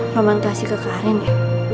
roman kasih ke kak arin ya